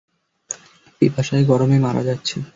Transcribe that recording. পিপাসায় গরমে মারা যাচ্ছি।